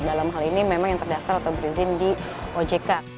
dalam hal ini memang yang terdaftar atau berizin di ojk